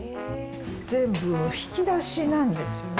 全部引き出しなんですよね。